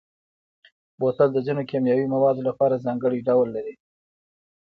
بوتل د ځینو کیمیاوي موادو لپاره ځانګړی ډول لري.